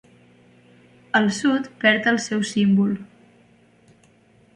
El sud perd el seu símbol.